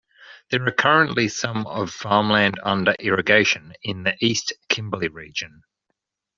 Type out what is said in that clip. There are currently some of farmland under irrigation in the East Kimberly region.